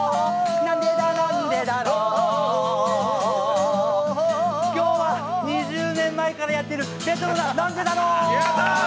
なんでだ、なんでだろう今日は２０年前からやってるレトロななんでだろう！